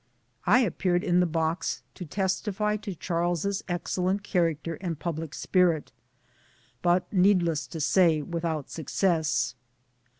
I appeared in the box to testify to Charles' excellent character and public spirit, but needless to say without success.